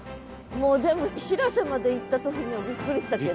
もうでもしらせまで行った時にはびっくりしたけど。